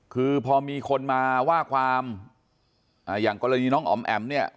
คือพอมีคนมาว่าความอย่างกรณีน้องอ๋อมแอ๋มเนี่ย